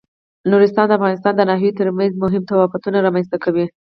نورستان د افغانستان د ناحیو ترمنځ مهم تفاوتونه رامنځ ته کوي.